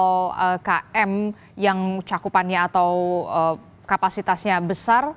atau km yang cakupannya atau kapasitasnya besar